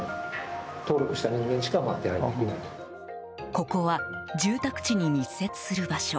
ここは住宅地に密接する場所。